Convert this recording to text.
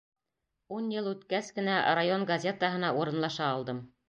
Ун йыл үткәс кенә район газетаһына урынлаша алдым...